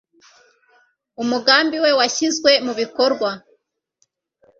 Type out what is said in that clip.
Umugambi we washyizwe mubikorwa.